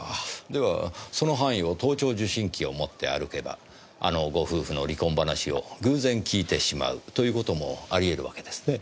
ではその範囲を盗聴受信機を持って歩けばあのご夫婦の離婚話を偶然聞いてしまうという事もありえるわけですね。